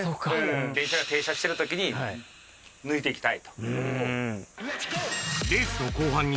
列車が停車してる時に抜いて行きたいと。